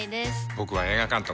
僕は映画監督。